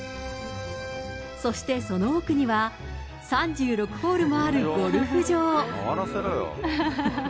そしてその奥には、３６ホールもあるゴルフ場。